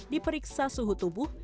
diperiksa suhu tubuh